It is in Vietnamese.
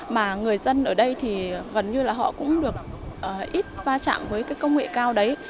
mà người dân ở đây thì gần như là họ cũng được ít va chạm với cái công nghệ cao đấy